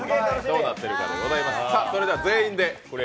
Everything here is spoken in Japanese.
どうなってるかでございます